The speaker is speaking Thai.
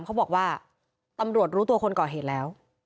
เขาบอกว่าตำรวจรู้ตัวคนก่อเหตุแล้ว